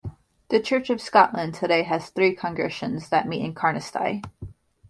The Church of Scotland today has three congregations that meet in Carnoustie.